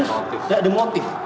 nggak ada motif